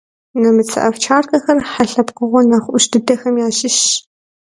Нэмыцэ овчаркэхэр хьэ лъэпкъыгъуэ нэхъ ӏущ дыдэхэм ящыщщ.